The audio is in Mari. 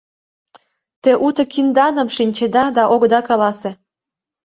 — Те уто кинданым шинчеда, да огыда каласе!